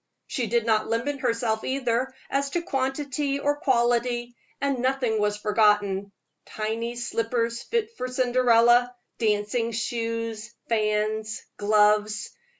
She did not limit herself either as to quality or quantity, and nothing was forgotten tiny slippers fit for Cinderella, dancing shoes, fans, gloves.